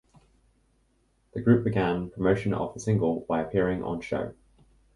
The group began promotion of the single by appearing on Show!